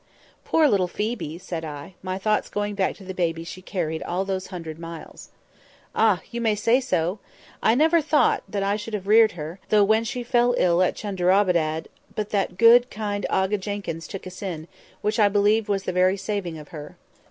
"Poor little Phoebe!" said I, my thoughts going back to the baby she carried all those hundred miles. "Ah! you may say so! I never thought I should have reared her, though, when she fell ill at Chunderabaddad; but that good, kind Aga Jenkyns took us in, which I believe was the very saving of her."